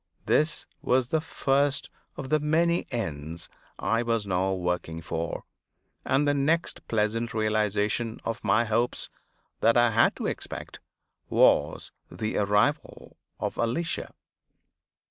This was the first of the many ends I was now working for; and the next pleasant realization of my hopes that I had to expect, was the arrival of Alicia.